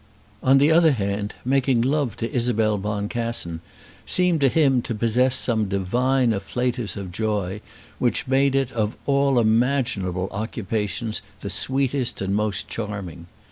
On the other hand, making love to Isabel Boncassen seemed to him to possess some divine afflatus of joy which made it of all imaginable occupations the sweetest and most charming.